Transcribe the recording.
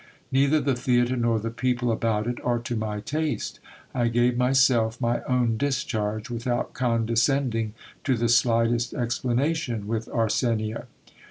Neither the theatre nor the people about it are to my taste. I gave myself my own dis charge, without condescending to the slightest explanation with Arsenia.